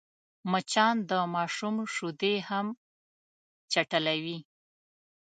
مچان د ماشوم شیدې هم چټلوي